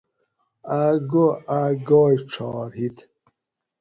آۤک گو آۤک گاۓ ڄھار ہِت